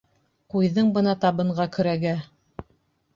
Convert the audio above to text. Ҡуйҙың бына табынға көрәгә!..